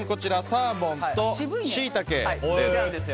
サーモンとシイタケです。